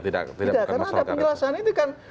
tidak karena ada penjelasan ini kan